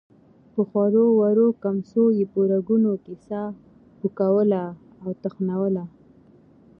په خورو ورو کمڅو يې په رګونو کې ساه پوکوله او تخنوله.